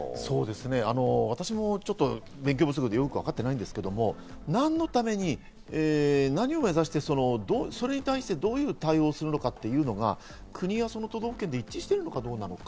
私も勉強不足でよく分かっていないんですけど、何のために何を目指して、それに対してどういう対応をするのかというのが国や都道府県で一致しているのかどうなのか。